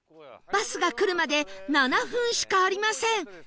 バスが来るまで７分しかありません